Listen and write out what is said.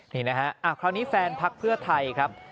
นี่นะฮะคราวนี้แฟนพักเพื่อไทยครับ